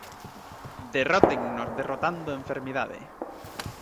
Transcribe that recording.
"Derrótennos derrotando a enfermidade".